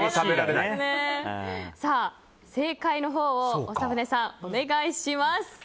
正解のほうを長船さんお願いします。